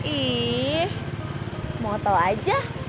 ih mau tahu aja